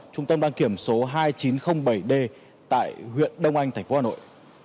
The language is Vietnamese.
trung tâm đăng kiểm số hai nghìn chín trăm linh bảy d tại huyện đông anh tp hà nội